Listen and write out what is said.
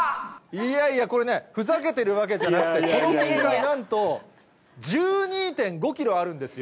いやいや、これね、ふざけてるわけじゃなくて、この金塊、なんと１２．５キロあるんですよ。